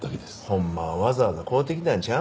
ほんまはわざわざ買うてきたんちゃうの？